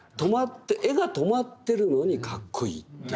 絵が止まってるのにカッコいいっていう。